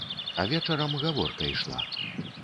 А вечарам гаворка ішла.